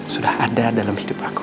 sudah ada dalam hidup aku